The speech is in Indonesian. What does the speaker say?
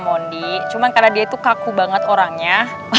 modi cuman karena dia tuh kaku banget orangnya